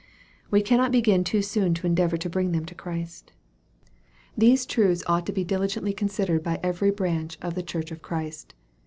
We cannot begin too soon to endeavor to bring them to Christ. These truths ought to be diligently considered by every branch of the Church of Christ.